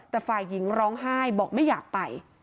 แต่ฝ่ายหญิงร้องไห้บอกไม่อยากไป